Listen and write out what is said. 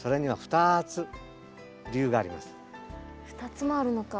２つもあるのか。